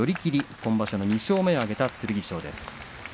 今場所の２勝目をあげた剣翔です。